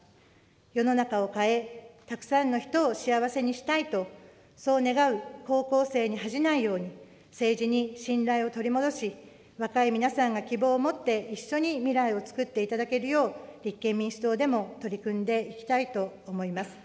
世の中を変え、たくさんの人を幸せにしたいと、そう願う高校生に恥じないように、政治に信頼を取り戻し、若い皆さんが希望を持って、一緒に未来をつくっていただけるよう、立憲民主党でも取り組んでいきたいと思います。